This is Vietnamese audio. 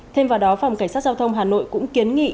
thêm vào đó phòng cảnh sát giao thông hà nội cũng kiến nghị